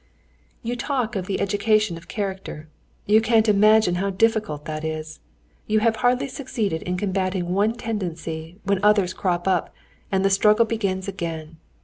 "You talk of the education of character. You can't imagine how difficult that is! You have hardly succeeded in combating one tendency when others crop up, and the struggle begins again.